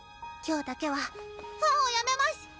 今日だけはファンをやめます！